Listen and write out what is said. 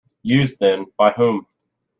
Used, then, by whom?